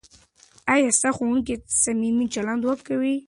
ایا ستا ښوونکی صمیمي چلند کوي؟